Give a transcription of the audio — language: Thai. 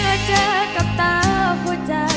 เมื่อเจอกับตาหัวใจ